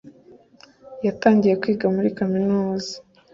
yatangiye kwiga muri Kaminuza